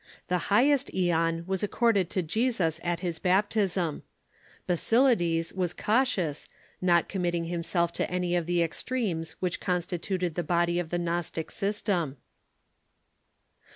The highest aeon was accorded to Je sus at his baptism. Basilides was cautious, not committing himself to any of the extremes which constituted the body of 28 THE EARLY CHURCH the Gnostic system.